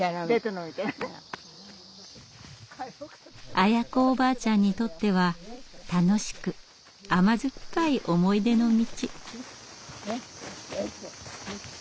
アヤ子おばあちゃんにとっては楽しく甘酸っぱい思い出の道。